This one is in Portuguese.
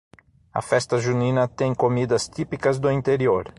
A Festa junina tem comidas típicas do interior